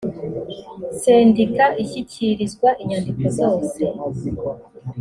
sendika ishyikirizwa inyandiko zose